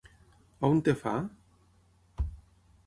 On et fa...?